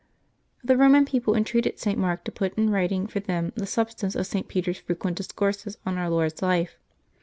The Roman people entreated St. Mark to put in writing for them the substance of St. Peter's frequent discourses on Our Lord's life.